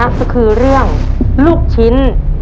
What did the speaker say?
ก็คือเรื่องลูกชิ้น